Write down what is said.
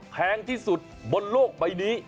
แพงที่สุดบนโลกใบนี้